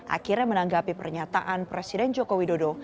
akhirnya menanggapi pernyataan presiden jokowi dodo